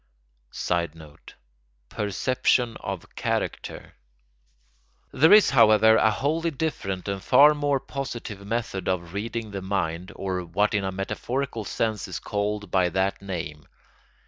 [Sidenote: Perception of character] There is, however, a wholly different and far more positive method of reading the mind, or what in a metaphorical sense is called by that name.